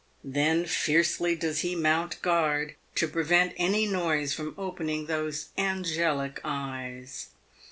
Then fiercely does he mount guard to prevent any noise from opening those angelic eyes.